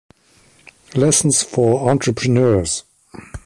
Lessons for Entrepreneurs.